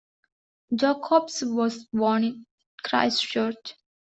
Jock Hobbs was born in Christchurch.